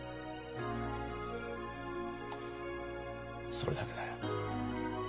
それだけだよ。